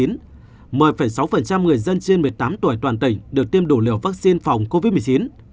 một mươi sáu người dân trên một mươi tám tuổi toàn tỉnh được tiêm đủ liều vaccine phòng covid một mươi chín